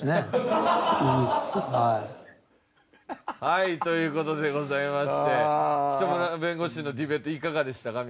はいという事でございまして北村弁護士のディベートいかがでしたか？